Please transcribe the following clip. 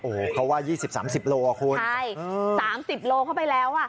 โอ้เขาว่ายี่สิบสามสิบโลอ่ะคุณใช่สามสิบโลเข้าไปแล้วอ่ะ